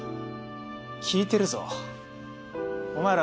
聞いてるぞお前らその。